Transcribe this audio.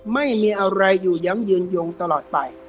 ไม่มีอะไรอยู่ย้ำยืนยงตลอดไป